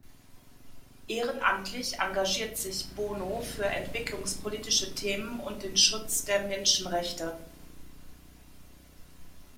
Ehrenamtlich engagiert sich Bono für entwicklungspolitische Themen und den Schutz der Menschenrechte.